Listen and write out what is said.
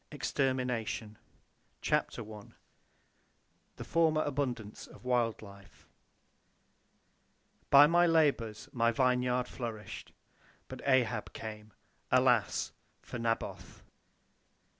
EXTERMINATION CHAPTER I THE FORMER ABUNDANCE OF WILD LIFE "By my labors my vineyard flourished. But Ahab came. Alas! for Naboth."